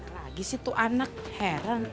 lagi sih tuh anak heran